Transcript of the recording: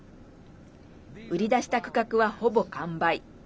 売り出した区画は、ほぼ完売。